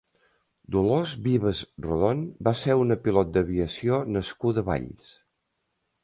Dolors Vives Rodon va ser una pilot d'aviació nascuda a Valls.